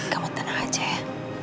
kamu tenang aja ya